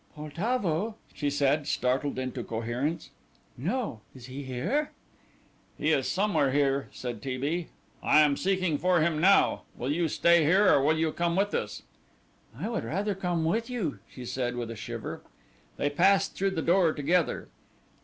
"Poltavo?" she said, startled into coherence. "No, is he here?" "He is somewhere here," said T. B. "I am seeking for him now. Will you stay here or will you come with us?" "I would rather come with you," she said with a shiver. They passed through the door together.